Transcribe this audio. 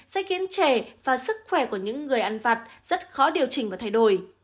sẽ khiến trẻ và sức khỏe của những người ăn vặt rất khó điều chỉnh và thay đổi